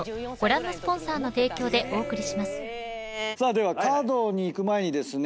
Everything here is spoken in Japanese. ではカードにいく前にですね